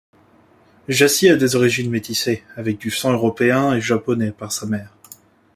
Jassie a des origines métissées, avec du sang européen et japonais par sa mère.